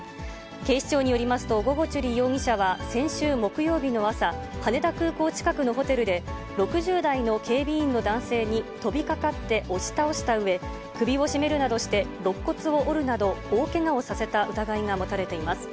警視庁によりますと、ゴゴチュリ容疑者は先週木曜日の朝、羽田空港近くのホテルで、６０代の警備員の男性に飛びかかって押し倒したうえ、首を絞めるなどして、ろっ骨を折るなど大けがをさせた疑いが持たれています。